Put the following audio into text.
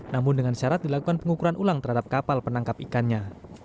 namun dengan syarat dilakukan pengukuran ulang terhadap kapal penangkap ikannya